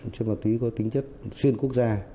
trên ma túy có tính chất xuyên quốc gia